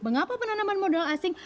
mengapa penanaman modal asing